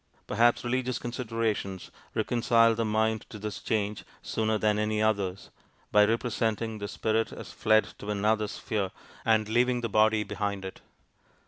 Perhaps religious considerations reconcile the mind to this change sooner than any others, by representing the spirit as fled to another sphere, and leaving the body behind it.